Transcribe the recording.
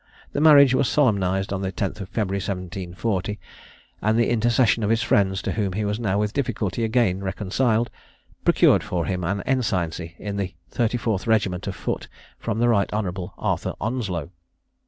The marriage was solemnised on the 10th February 1740; and the intercession of his friends, to whom he was now with difficulty again reconciled, procured for him an ensigncy in the 34th regiment of foot from the right honourable Arthur Onslow.